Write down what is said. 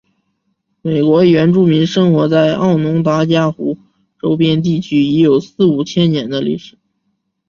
美国原住民生活在奥农达伽湖周边地区已有四五千年的历史。